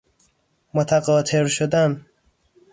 متقاطر شدن